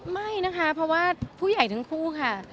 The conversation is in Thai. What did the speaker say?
ไม่นะคะเพราะว่าผู้ใหญ่ทั้งคู่ค่ะ